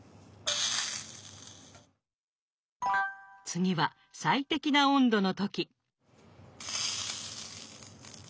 次は最適な温度の時。